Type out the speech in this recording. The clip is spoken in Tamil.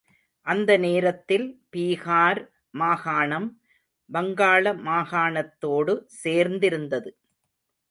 அந்த நேரத்தில் பீகார் மாகாணம் வங்காள மாகாணத்தோடு சேர்ந்திருந்தது.